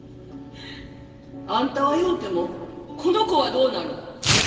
あんたはようてもこの子はどうなる？